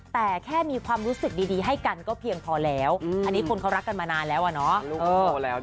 แต่แค่มีความรู้สึกดีให้กันก็เพียงพอแล้วอันนี้คนเขารักกันมานานแล้วอะเนาะ